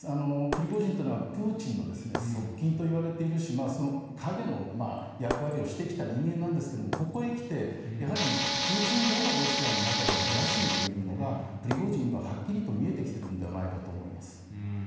プリゴジンというのはプーチンの側近と言われているし影の役割をしてきた人間なんですがここへきて、やはりプーチン後のロシアでの野心がプリゴジンには、はっきり見えてきているんじゃないかと思います。